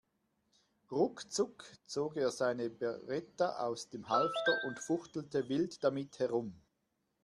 Ruckzuck zog er seine Beretta aus dem Halfter und fuchtelte wild damit herum.